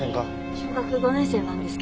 小学５年生なんですけど。